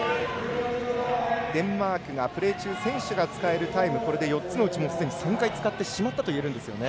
デンマークがプレー中選手が使えるタイムこれで４つのうち３回使ってしまったといえますよね。